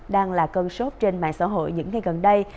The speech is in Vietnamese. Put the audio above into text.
đang là cơn sốt trên mạng xã hội những ngày gần đây